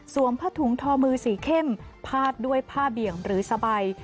ผ้าถุงทอมือสีเข้มพาดด้วยผ้าเบี่ยงหรือสบาย